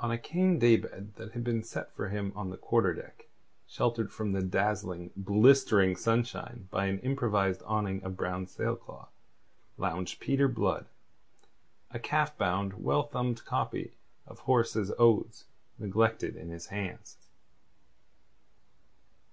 On a cane day bed that had been set for him on the quarter deck, sheltered from the dazzling, blistering sunshine by an improvised awning of brown sailcloth, lounged Peter Blood, a calf bound, well thumbed copy of Horace's Odes neglected in his hands.